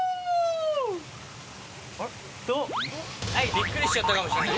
・びっくりしちゃったかもしんない。